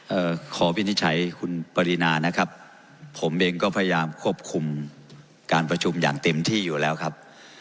เอ่อขอวินิจฉัยคุณปรินานะครับผมเองก็พยายามควบคุมการประชุมอย่างเต็มที่อยู่แล้วครับ